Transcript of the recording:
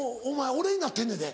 俺になってんのやで。